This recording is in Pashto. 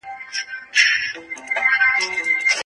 ورځپاڼه هلته مه لولئ.